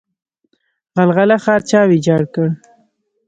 غلغله ښار چا ویجاړ کړ؟